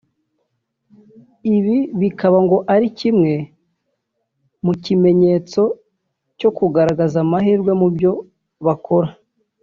Ibi bikaba ngo ari kimwe mu kimenyetso cyo kugaragaza amahirwe mubyo bakora